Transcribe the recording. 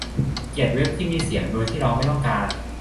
เกลียดเว็บที่มีเสียงโดยที่เราไม่ต้องการ